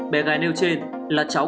bé gái nêu trên là cháu